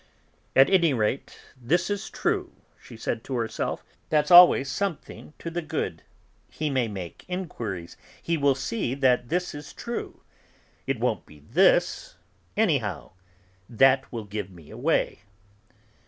"At any rate, this is true," she said to herself; "that's always something to the good; he may make inquiries; he will see that this is true; it won't be this, anyhow, that will give me away."